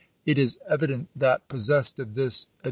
It IS evident that, possessed of this ad p.'